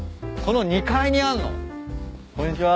この２階にあんの？